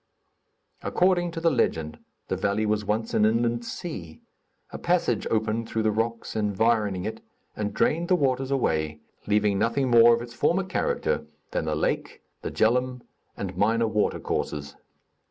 According to the legend, the valley was once an inland sea; a passage opened through the rocks environing it, and drained the waters away, leaving nothing more of its former character than the lake, the Djeloum and minor water courses.